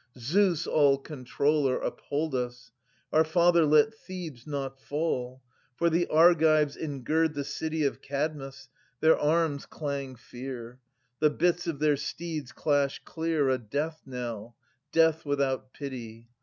Zeus, All controller, uphold us ! Our Father, let Thebes not fall ! For the Argives engird the city 120 Of Kadmus : their arms clang fear : The bits of their steeds clash clear A death knell — death without pity